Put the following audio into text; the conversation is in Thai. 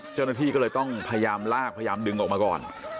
เจ้าหน้าที่ก็เลยต้องพยายามลากพยายามดึงออกมาก่อน